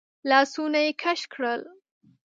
لاسونه يې کش کړل.